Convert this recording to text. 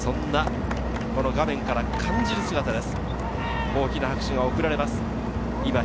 そんな画面から感じる姿です。